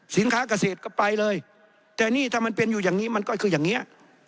เกษตรก็ไปเลยแต่นี่ถ้ามันเป็นอยู่อย่างนี้มันก็คืออย่างนี้